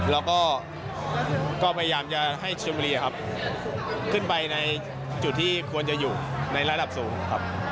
แล้วก็พยายามจะให้ชมบุรีครับขึ้นไปในจุดที่ควรจะอยู่ในระดับสูงครับ